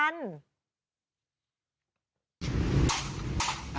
อ่าแล้วใครล็อคอ่ะ